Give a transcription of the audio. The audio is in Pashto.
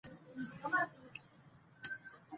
نجونې زده کړه وکړي، نو ټولنه د ګډو هڅو لپاره متحدېږي.